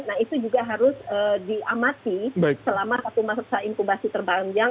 nah itu juga harus diamati selama satu masa inkubasi terbang jam